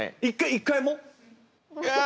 １回も？あ！